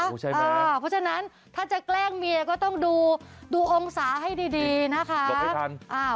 เพราะฉะนั้นถ้าจะแกล้งเมียก็ต้องดูองศาให้ดีนะคะหลบไม่ทัน